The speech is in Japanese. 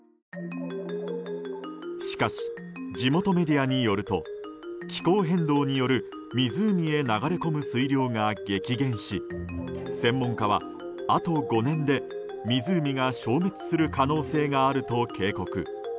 しかし、地元メディアによると気候変動による湖へ流れ込む水量が激減し専門家は、あと５年で湖が消滅する可能性があると警告。